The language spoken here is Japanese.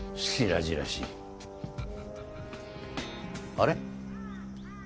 あれ？